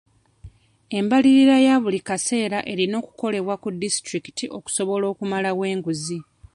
Embalirira ya buli keseera erina okukolebwa ku disitulikiti okusobola okumalawo enguzi.